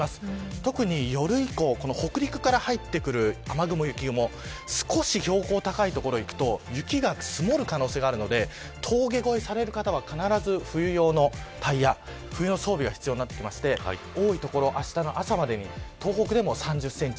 特に夜以降北陸から入ってくる雨雲と雪雲少し標高が高い所に行くと雪が積もる可能性があるので峠越えをされる方は必ず冬用のタイヤ冬の装備が必要になるので多い所はあしたの朝までに東北で３０センチ